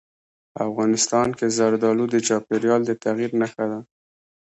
افغانستان کې زردالو د چاپېریال د تغیر نښه ده.